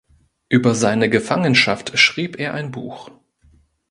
Über seine Gefangenschaft schrieb er ein Buch.